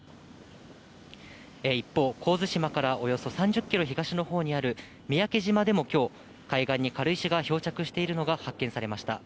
一方、神津島からおよそ３０キロ東のほうにある三宅島でもきょう、海岸に軽石が漂着しているのが発見されました。